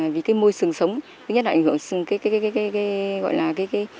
vì cái môi sừng sống nhất là ảnh hưởng đến cái